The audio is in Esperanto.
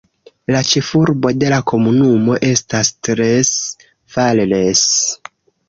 La ĉefurbo de la komunumo estas Tres Valles.